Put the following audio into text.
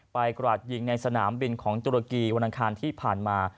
กราดยิงในสนามบินของตุรกีวันอังคารที่ผ่านมา